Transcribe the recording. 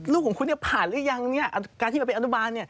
ลูกของคุณผ่านหรือยังการที่มาเป็นอนุบาล